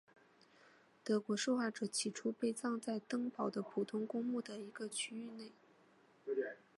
德国受害者起初被葬在登堡的普通公墓的一个区域内。